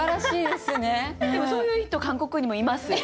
でもそういう人韓国にもいます。